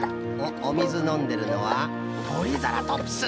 おみずのんでるのはトリザラトプス。